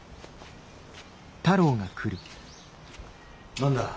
何だ？